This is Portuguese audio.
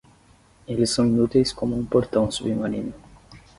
Eles são inúteis como um portão submarino.